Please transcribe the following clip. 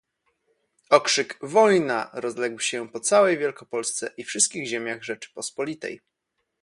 "Okrzyk: „Wojna!“ rozległ się po całej Wielkopolsce i wszystkich ziemiach Rzeczypospolitej."